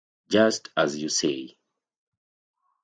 Just as you say.